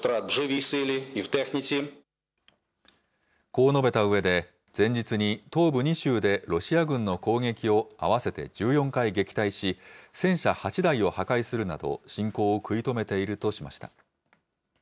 こう述べたうえで、前日に東部２州でロシア軍の攻撃を合わせて１４回撃退し、戦車８台を破壊するなど、侵攻を食い止めているとしました。